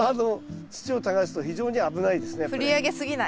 振り上げ過ぎない。